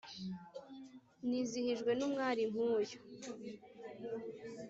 nizihijwe n’umwali nkuyu